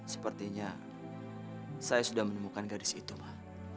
sepertinya saya sudah menemukan gadis itu mah